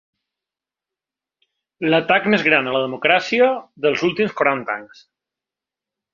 L atac mes gran a la democràcia dels últims quaranta anys.